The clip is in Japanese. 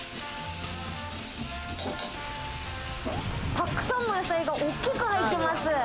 たくさんの野菜が大きく入ってます。